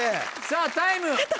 さぁタイム。